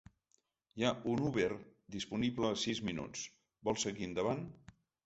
Hi ha un Uber disponible a sis minuts, vols seguir endavant?